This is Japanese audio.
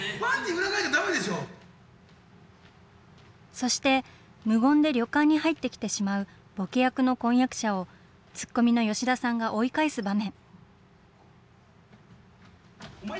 そして、無言で旅館に入ってきてしまうボケ役の婚約者を、ツッコミの吉田さんが追い返す場面。